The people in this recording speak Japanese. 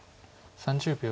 ３０秒。